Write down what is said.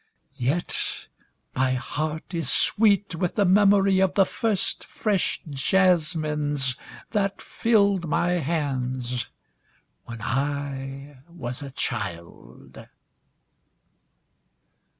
Yet my heart is sweet with the memory of the first fresh jasmines that filled my hands when I was a child.